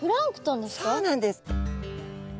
そうなんです！